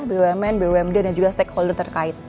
bumn bumd dan juga stakeholder terkait